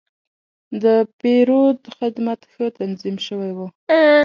د پیرود خدمت ښه تنظیم شوی و.